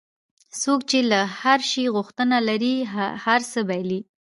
څوک چې د هر شي غوښتنه لري هر څه بایلي.